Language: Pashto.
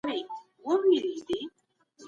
تل نېکمرغه اوسئ.